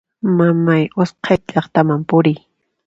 Mamay usqhayta llaqtaman puriy!